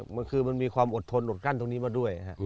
มันคือมันมีความอดทนอดกั้นตรงนี้มาด้วย